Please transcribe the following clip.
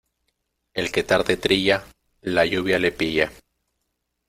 El que tarde trilla, la lluvia le pilla.